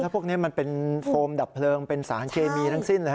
พวกนี้มันเป็นโฟมดับเพลิงเป็นสารเคมีทั้งสิ้น